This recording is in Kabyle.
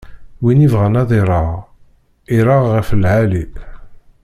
Win ibɣan ad ireɣ, ireɣ ɣef lɛali.